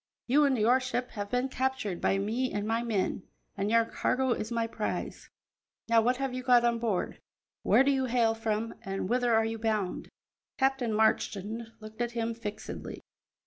You and your ship have been captured by me and my men, and your cargo is my prize. Now, what have you got on board, where do you hail from, and whither are you bound?" Captain Marchand looked at him fixedly.